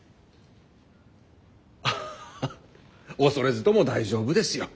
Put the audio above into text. ハハ恐れずとも大丈夫ですよ。